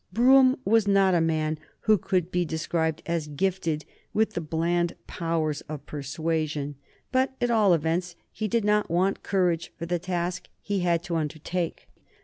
Brougham was not a man who could be described as gifted with the bland powers of persuasion, but at all events he did not want courage for the task he had to undertake.